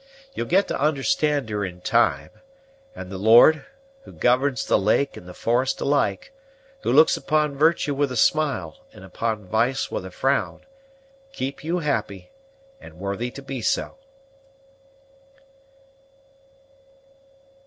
You'll get to understand her in time; and the Lord, who governs the lake and the forest alike, who looks upon virtue with a smile and upon vice with a frown, keep you happy and worthy to be so!"